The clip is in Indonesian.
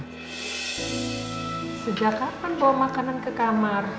sejak kapan bawa makanan ke kamar